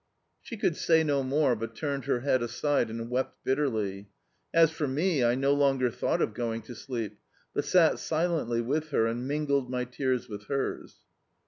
She could say no more, but turned her head aside and wept bitterly. As for me, I no longer thought of going to sleep, but sat silently with her and mingled my tears with hers.